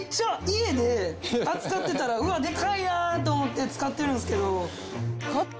家で扱ってたら「うわでかいな」と思って使ってるんですけど。